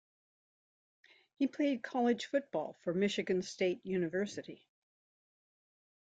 He played college football for Michigan State University.